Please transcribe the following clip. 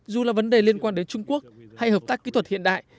dù là vấn đề liên quan đến trung quốc hay hợp tác kỹ thuật hiện đại